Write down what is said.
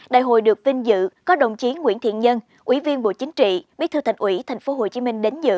đại hội được vinh dự có đồng chí nguyễn thiện nhân ủy viên bộ chính trị bí thư thành ủy thành phố hồ chí minh đến dự